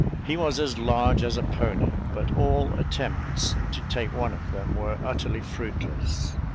He was as large as a pony; but all attempts to take one of them were utterly fruitless.